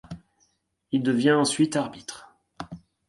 Il devient ensuite arbitre.